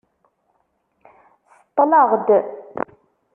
Seṭṭleɣ-d.